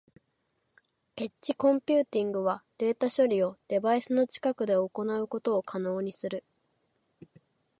エッジコンピューティングはデータ処理をデバイスの近くで行うことを可能にする。